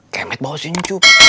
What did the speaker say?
kemet bawa si ncup